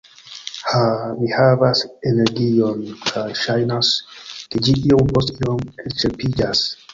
Ha, mi havas energion, kaj ŝajnas, ke ĝi iom post iom elĉerpiĝas